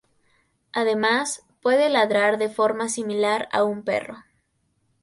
Además, puede ladrar de forma similar a un perro.